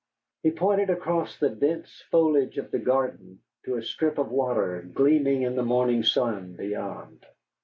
He pointed across the dense foliage of the garden to a strip of water gleaming in the morning sun beyond.